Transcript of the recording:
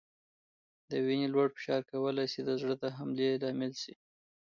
د وینې لوړ فشار کولای شي د زړه د حملې لامل شي.